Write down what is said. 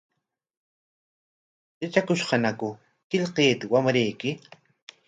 ¿Yatrakushqañaku qillqayta wamrayki?